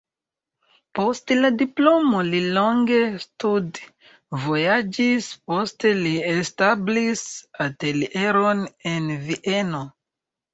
Post la diplomo li longe studvojaĝis, poste li establis atelieron en Vieno.